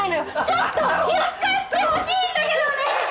ちょっとは気を使ってほしいんだけどね！